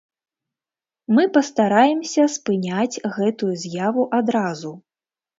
Мы пастараемся спыняць гэтую з'яву адразу.